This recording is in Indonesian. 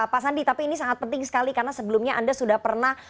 pak sandi tapi ini sangat penting sekali karena sebelumnya anda sudah pernah